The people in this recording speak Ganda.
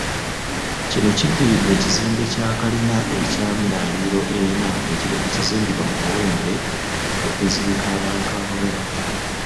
Kino kiddiridde ekizimbe kya kalina eky'emyaliro ena ekibadde kizimbibwa mu Kawempe okuziika abantu abawerako.